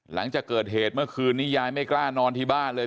หลังจากเกิดเหตุเมื่อคืนนี้ยายไม่กล้านอนที่บ้านเลย